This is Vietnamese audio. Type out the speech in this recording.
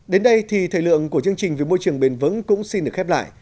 đến đây thì thời lượng của chương trình vì môi trường bền vững cũng xin được khép lại